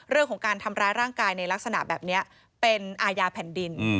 เรื่องของการทำร้ายร่างกายในลักษณะแบบนี้เป็นอาญาแผ่นดิน